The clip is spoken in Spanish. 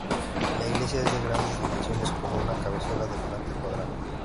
La iglesia es de grandes dimensiones, con una cabecera de planta cuadrada.